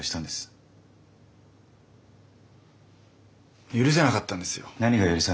何が許せなかったんです？